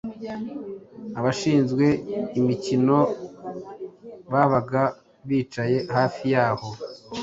abashinzwe imikino babaga bicaye hafi y’aho